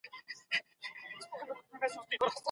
دین ته وفادار اوسئ.